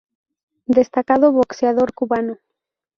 Destacado boxeador cubano.